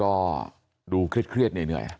มอชนน่านก็ดูเครียดเครียดเนี่ยเหนื่อย